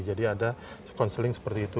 jadi ada counseling seperti itu